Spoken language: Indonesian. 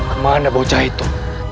kemana bocah itu